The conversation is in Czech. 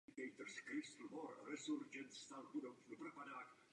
Oceňuji iniciativy, které v tomto ohledu vyvíjí Evropská komise.